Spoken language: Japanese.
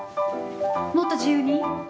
もっと自由に。